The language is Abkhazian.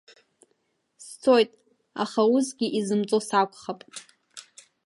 Сцоит, аха усгьы изымцо сакәхап…